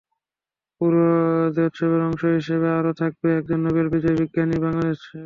পুরো জয়োৎসবের অংশ হিসেবে আরও থাকবে একজন নোবেল বিজয়ী বিজ্ঞানীর বাংলাদেশ সফর।